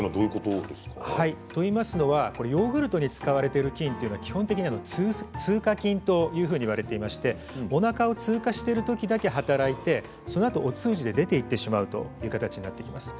ヨーグルトに使われている菌は基本的に通過菌といわれていましておなかを通過している時だけ働いて、そのあとお通じに出ていってしまうという形になっています。